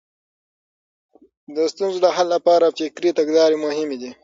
د ستونزو د حل لپاره فکري تګلارې مهمې دي.